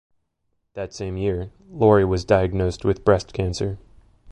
That same year, Lorie was diagnosed with breast cancer.